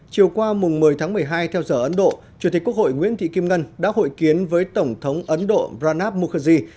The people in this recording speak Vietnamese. chiều qua một mươi tháng một mươi hai theo giờ ấn độ chủ tịch quốc hội nguyễn thị kim ngân đã hội kiến với tổng thống ấn độ ranab mukherjee